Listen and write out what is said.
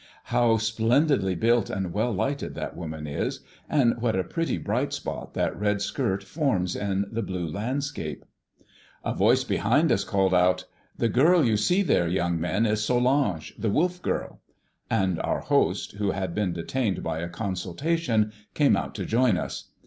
How splendidly built and well lighted that woman is! And what a pretty bright spot that red skirt forms in the blue landscape!" A voice behind us called out, "The girl you see there, young men, is Solange, the wolf girl." And our host, who had been detained by a consultation, came out to join us.